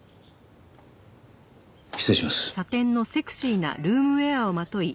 失礼します。